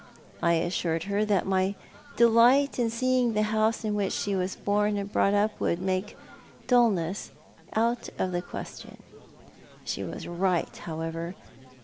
I assured her that my delight in seeing the house in which she was born and brought up would make dulness out of the question. She was right, however.